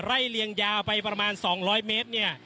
เลียงยาวไปประมาณ๒๐๐เมตรเนี่ย